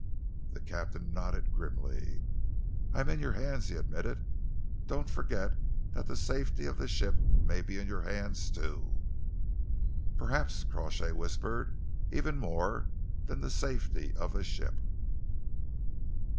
The captain nodded grimly. "I am in your hands," he admitted. "Don't forget that the safety of the ship may be in your hands, too!" "Perhaps," Crawshay whispered, "even more than the safety of the ship."